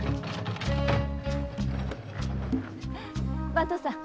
番頭さん。